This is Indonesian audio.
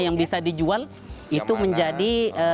yang bisa dijual itu menjadi